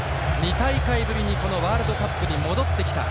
２大会ぶりにワールドカップに戻ってきた。